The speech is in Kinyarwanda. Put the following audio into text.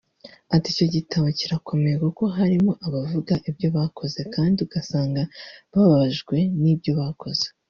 Ati “Icyo gitabo kirakomeye kuko harimo abavuga ibyo bakoze kandi ugasanga babajwe n’ibyo bakoze